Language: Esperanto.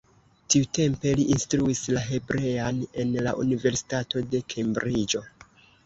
Tiutempe li instruis la hebrean en la Universitato de Kembriĝo.